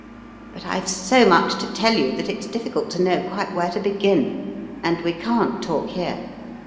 But Fve so muclj to tell you, that it's difficult to know quite where to begin. And we can't talk here.